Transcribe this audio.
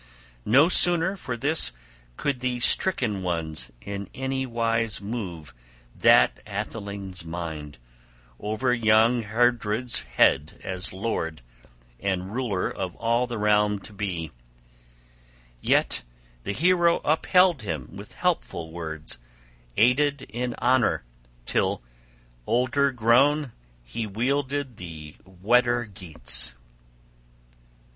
No sooner for this could the stricken ones in any wise move that atheling's mind over young Heardred's head as lord and ruler of all the realm to be: yet the hero upheld him with helpful words, aided in honor, till, older grown, he wielded the Weder Geats.